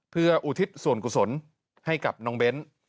เพื่ออุทิศส่วนกุศลให้กับน้องเบ้น